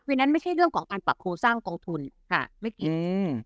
นั้นไม่ใช่เรื่องของการปรับโครงสร้างกองทุนค่ะไม่กินอืม